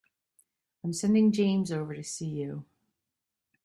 I'm sending James over to see you.